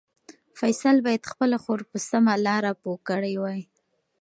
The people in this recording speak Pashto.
فیصل باید خپله خور په سمه لاره پوه کړې وای.